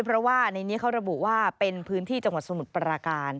เพราะว่าในนี้เขาระบุว่าเป็นพื้นที่จังหวัดสมุทรปราการ